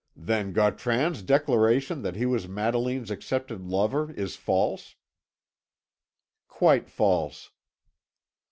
"Then Gautran's declaration that he was Madeline's accepted lover is false?" "Quite false."